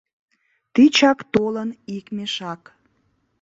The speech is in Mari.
Тичак толын ик мешак.